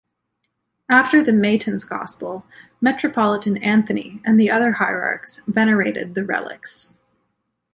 After the Matins Gospel, Metropolitan Anthony and the other hierarchs venerated the relics.